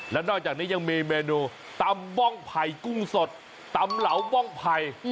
แล้วนอกจากนี้ยังมีเมนูตำบ้องไผ่กุ้งสดตำเหลาบ้องไผ่